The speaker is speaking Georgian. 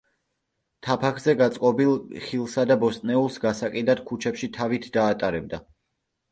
თაბახზე გაწყობილ ხილსა და ბოსტნეულს გასაყიდად ქუჩებში თავით დაატარებდა.